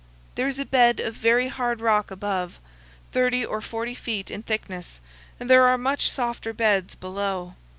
There is a bed of very hard rock above, 30 or 40 feet in thickness, and there are much softer beds below.